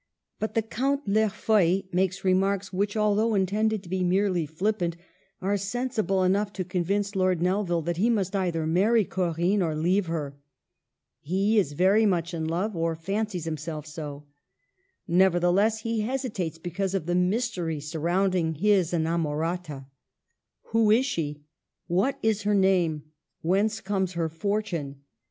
But the Count L'Erfeuil makes remarks which, although intended to be merely flippant, are sensible enough to convince Lord Nelvil that he must either marry Corinne or leave her. He is very much in love, or fancies himself so. Nevertheless he hesitates because of the mystery surrounding his inamorata. Who is she ? What is her name ? Whence comes her fortune?